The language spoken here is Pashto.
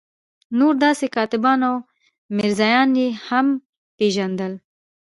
نور داسې کاتبان او میرزایان یې هم پېژندل.